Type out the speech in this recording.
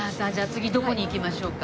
次どこに行きましょうか？